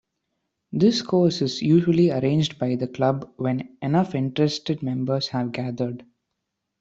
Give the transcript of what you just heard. This course is usually arranged by the club when enough interested members have gathered.